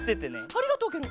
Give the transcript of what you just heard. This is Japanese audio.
ありがとうケロ。